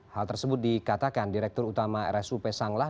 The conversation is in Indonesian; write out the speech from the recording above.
hal tersebut dikatakan direktur utama rsup sanglah